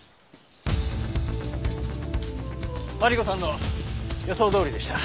マリコさんの予想どおりでした。